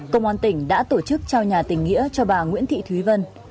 công an tỉnh đã tổ chức trao nhà tỉnh nghĩa cho bà nguyễn thị thúy vân